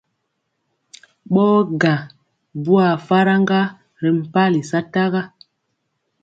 Ɓɔɔ gaŋ bwaa faraŋga ri mpali sataga.